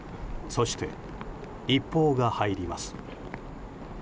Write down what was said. そして、一報が入ります。